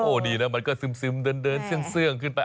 โอ้ดีนะมันก็ซึมเดินเดินเสื้องขึ้นไป